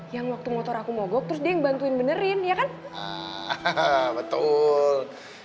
yang waktu motor aku mogok dia ngebantuin benerin ya kan betul